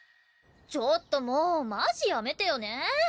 ちょっともうマジやめてよね。